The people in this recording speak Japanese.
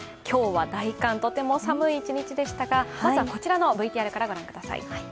今日は大寒とても寒い一日でしたがまずはこちらのＶＴＲから御覧ください。